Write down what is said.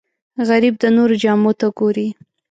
غریب د نورو جامو ته ګوري